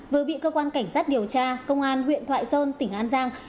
vừa bị cơ quan cảnh sát điều tra công an huyện thoại sơn tỉnh an giang